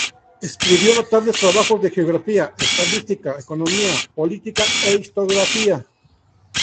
Escribió notables trabajos de Geografía, Estadística, Economía, Política e Historiografía.